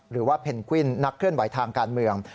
หรือว่าเพนกวินนักเคลื่อนไหวทางการเมือง